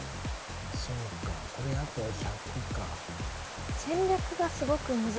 そうかこれあと１００か